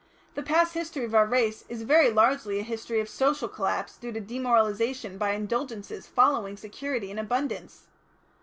The past history of our race is very largely a history of social collapses due to demoralisation by indulgences following security and abundance.